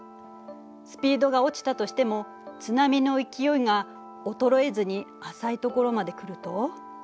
スピードが落ちたとしても津波の勢いが衰えずに浅いところまで来ると。